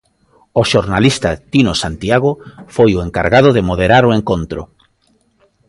O xornalista Tino Santiago foi o encargado de moderar o encontro.